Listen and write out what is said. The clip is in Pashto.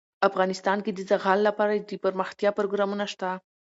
افغانستان کې د زغال لپاره دپرمختیا پروګرامونه شته.